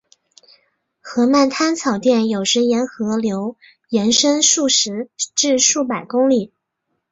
河漫滩草甸有时沿河流延伸数十至数百公里。